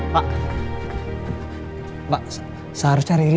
kalau saya dioperasi